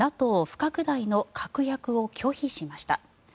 不拡大の確約を拒否しました。